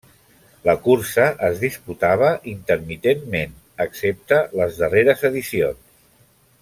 La cursa es disputava intermitentment, excepte les darreres edicions.